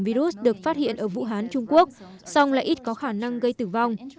virus được phát hiện ở vũ hán trung quốc song lại ít có khả năng gây tử vong